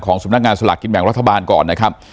สำนักงานสลากกินแบ่งรัฐบาลก่อนนะครับ